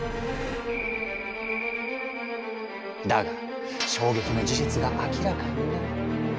だが衝撃の事実が明らかになり。